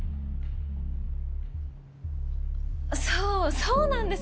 そうそうなんです。